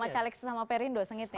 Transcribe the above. caleg sesama perindo sengitnya